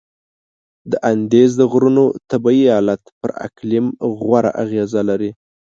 د اندیز د غرونو طبیعي حالت پر اقلیم غوره اغیزه لري.